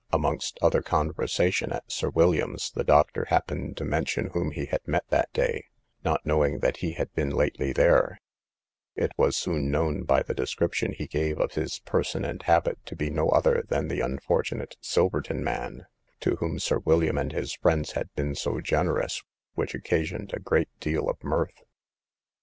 Amongst other conversation at Sir William's, the Dr. happened to mention whom he had met that day (not knowing that he had been lately there); it was soon known by the description he gave of his person and habit, to be no other than the unfortunate Silverton man, to whom Sir William and his friends had been so generous, which occasioned a great deal of mirth.